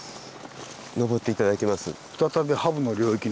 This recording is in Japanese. のぼって頂きます。